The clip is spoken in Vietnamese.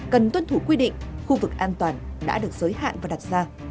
cần tuân thủ quy định khu vực an toàn đã được giới hạn và đặt ra